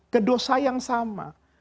kedosa yang sama